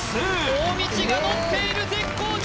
大道がのっている絶好調！